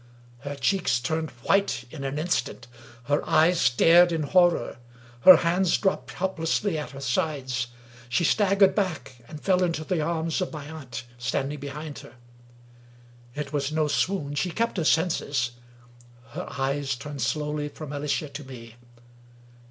Her cheeks turned white in an instant; her eyes stared in horror; her hands dropped helplessly at her sides. She staggered back, and fell into the arms of my aunt, standing behind her. It was no swoon — she kept her senses. Her eyes turned slowly from Alicia to me.